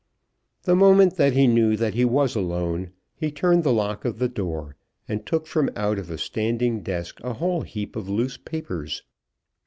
The moment that he knew that he was alone he turned the lock of the door, and took from out a standing desk a whole heap of loose papers.